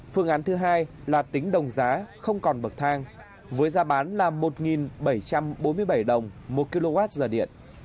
phương án thứ hai là tính đồng giá không còn bậc thang với giá bán là một bảy trăm bốn mươi bảy đồng một kwh điện